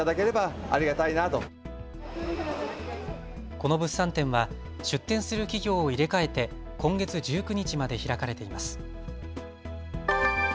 この物産展は出展する企業を入れ替えて今月１９日まで開かれています。